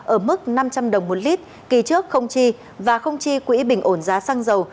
ở mức năm trăm linh đồng một lít kỳ trước không chi và không chi quỹ bình ổn giá xăng dầu